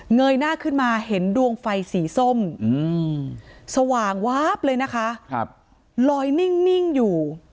ยหน้าขึ้นมาเห็นดวงไฟสีส้มสว่างวาบเลยนะคะลอยนิ่งอยู่